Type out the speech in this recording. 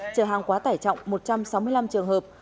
trở hàng quá tải trọng một trăm sáu mươi năm trường hợp